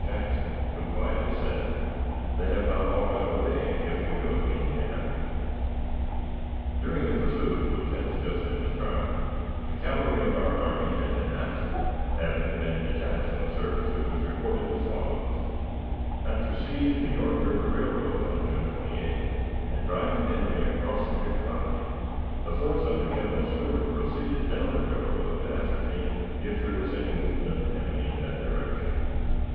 Jackson, who quietly said, "They have not all got away if we go immediately after them." During the pursuit, which has just been described, the cavalry of our army had been absent, having been detached on a service which was reported as follows: After seizing the York River Railroad, on June 28th, and driving the enemy across the Chickahominy, the force under General Stuart proceeded down the railroad to ascertain if there was any movement of the enemy in that direction.